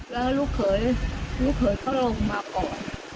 แล้วลูกเขยลงมาป่อน